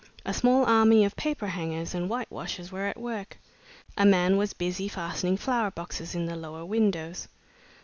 A small army of paper hangers and white washers were at work. A man was busy fastening flower boxes in the lower windows.